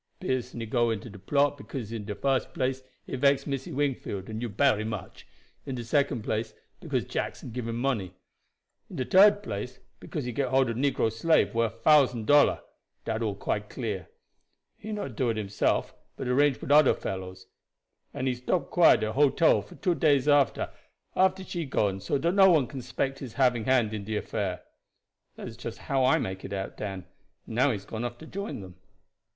Pearson he go into de plot, because, in de fust place, it vex Missy Wingfield and you bery much; in de second place, because Jackson gib him money; in de third place, because he get hold of negro slave worf a thousand dollar. Dat all quite clear. He not do it himself, but arrange wid oder fellows, and he stop quiet at de hotel for two days after she gone so dat no one can 'spect his having hand in de affair." "That is just how I make it out, Dan; and now he has gone off to join them."